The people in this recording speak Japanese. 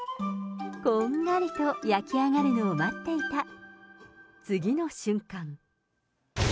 こんがりと焼き上がるのを待っていた、次の瞬間。